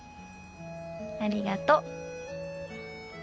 ありがと。